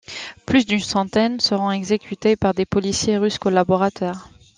Plus d'une centaine seront exécutés par des policiers russes collaborateurs.